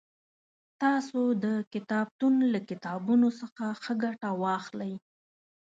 تاسو د کتابتون له کتابونو څخه ښه ګټه واخلئ